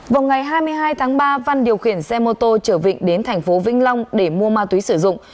vào ngày hai mươi hai tháng ba văn điều khiển xe mô tô chở vịnh đến thành phố vĩnh long để mua ma túy sử dụng